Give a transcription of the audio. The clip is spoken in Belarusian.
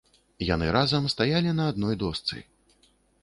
Яны разам стаялі на адной дошцы.